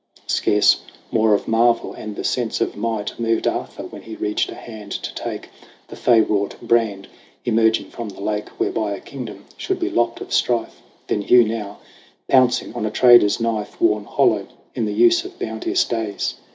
Scarce more of marvel and the sense of might Moved Arthur when he reached a hand to take The fay wrought brand emerging from the lake, Whereby a kingdom should be lopped of strife, Than Hugh now, pouncing on a trader's knife Worn hollow in the use of bounteous days